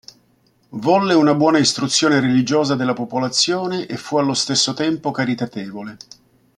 Volle una buona istruzione religiosa della popolazione e fu allo stesso tempo caritatevole.